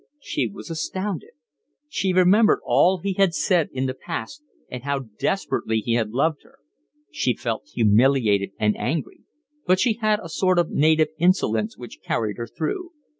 She was astounded. She remembered all he had said in the past and how desperately he had loved her. She felt humiliated and angry, but she had a sort of native insolence which carried her through.